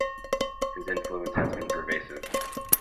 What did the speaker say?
His influence has been pervasive.